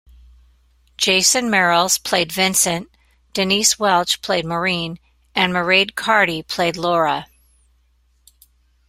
Jason Merrells played Vincent, Denise Welch played Maureen, and Mairead Carty played Laura.